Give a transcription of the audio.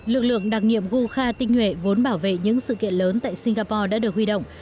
lực lượng đặc nhiệm gu kha tinh nhuệ vốn bảo vệ những sự kiện lớn tại singapore đã được huy động